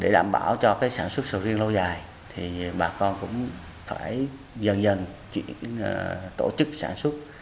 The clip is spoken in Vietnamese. để đảm bảo cho sản xuất sầu riêng lâu dài bà con cũng phải dần dần tổ chức sản xuất